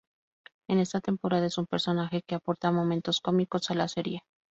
En esta temporada es un personaje que aporta momentos cómicos a la serie.